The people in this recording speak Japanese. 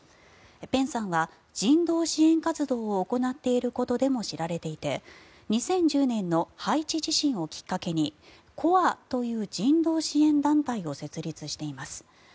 ペンさんは人道支援活動を行っていることでも知られていて２０１０年のハイチ地震をきっかけにＣＯＲＥという人道支援団体を設立しています。